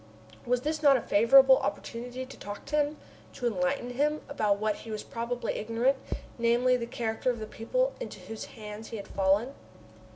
Was this not a favorable opportunity to talk to him, to enlighten him about what he was probably ignorant, namely, the character of the people into whose hands he had fallen?